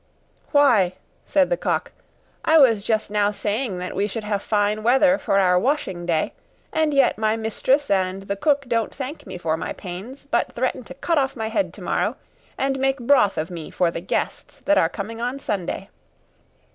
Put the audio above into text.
'Why,' said the cock, 'I was just now saying that we should have fine weather for our washing day, and yet my mistress and the cook don't thank me for my pains, but threaten to cut off my head tomorrow, and make broth of me for the guests that are coming on Sunday!